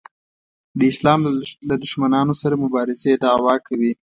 د اسلام له دښمنانو سره مبارزې دعوا کوي.